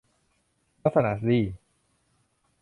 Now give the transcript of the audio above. ลักษณะสี่